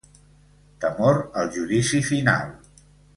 Temor al Judici Final.